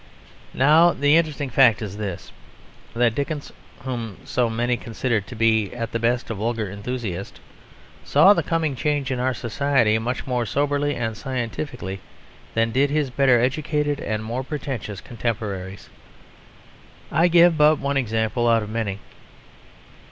Now the interesting fact is this: That Dickens, whom so many considered to be at the best a vulgar enthusiast, saw the coming change in our society much more soberly and scientifically than did his better educated and more pretentious contemporaries. I give but one example out of many.